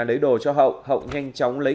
lấy đồ cho hậu hậu nhanh chóng lấy